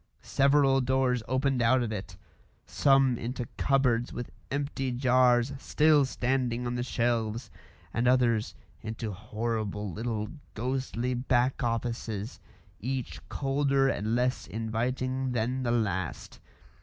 Several doors opened out of it some into cupboards with empty jars still standing on the shelves, and others into horrible little ghostly back offices, each colder and less inviting than the last.